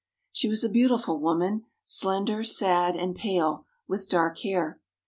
She was a beautiful woman, slender, sad, and pale, with dark hair.